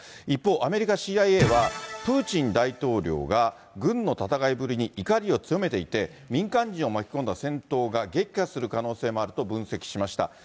一方、アメリカＣＩＡは、プーチン大統領が軍の戦いぶりに怒りを強めていて、民間人を巻き込んだ戦闘が激化する可能性もあると分析しました。